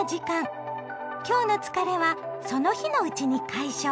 今日の疲れはその日のうちに解消！